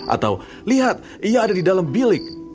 atau lihat ia ada di dalam bilik